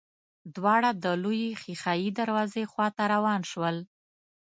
دواړه د لويې ښېښه يي دروازې خواته روان شول.